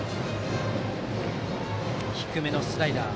低めのスライダー。